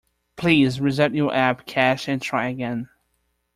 Please reset your app cache and try again.